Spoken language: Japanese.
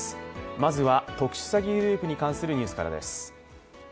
まずは、特殊詐欺グループに関するニュースからです。